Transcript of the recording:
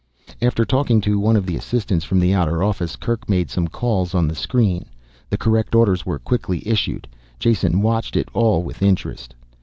After talking to one of the assistants from the outer office, Kerk made some calls on the screen. The correct orders were quickly issued. Jason watched it all with interest.